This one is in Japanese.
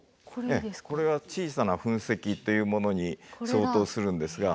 これは「小さな噴石」というものに相当するんですが。